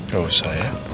gak usah ya